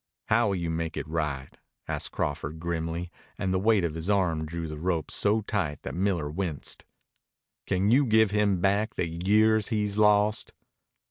"How will you make it right?" asked Crawford grimly, and the weight of his arm drew the rope so tight that Miller winced. "Can you give him back the years he's lost?"